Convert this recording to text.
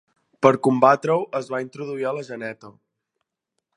Per combatre-ho es va introduir a la geneta.